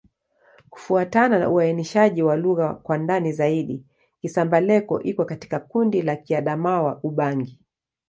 Kufuatana na uainishaji wa lugha kwa ndani zaidi, Kisamba-Leko iko katika kundi la Kiadamawa-Ubangi.